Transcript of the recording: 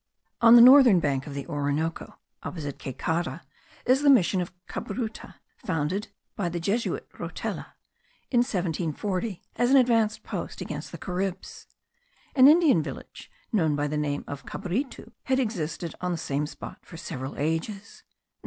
On the northern bank of the Orinoco, opposite Caycara, is the mission of Cabruta, founded by the Jesuit Rotella, in 1740, as an advanced post against the Caribs. An Indian village, known by the name of Cabritu,* had existed on the same spot for several ages.